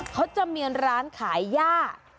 เขาจะเมียนร้านขายหญ้า